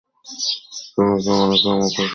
তুমি কি মনে কর মুখোশের আড়ালে তাকে কেমন লাগছে?